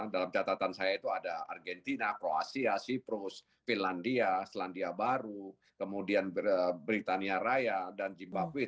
dalam catatan saya itu ada argentina kroasia cyprus finlandia selandia baru kemudian britania raya dan zimbabwe